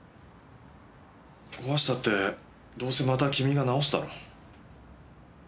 壊したってどうせまた君が治すだろ。